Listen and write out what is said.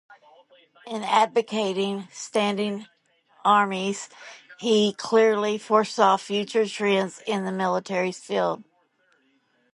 In advocating standing armies, he clearly foresaw future trends in the military field.